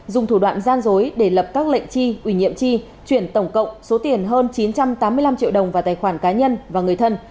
dùng thủ đoạn gian dối để lập các lệnh chi ủy nhiệm chi chuyển tổng cộng số tiền hơn chín trăm tám mươi năm triệu đồng vào tài khoản cá nhân và người thân